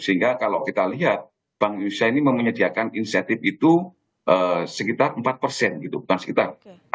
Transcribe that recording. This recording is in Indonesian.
sehingga kalau kita lihat pangusia ini menyediakan insentif itu sekitar empat bukan sekitar